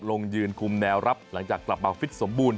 ลงยืนคุมแนวรับหลังจากกลับมาฟิตสมบูรณ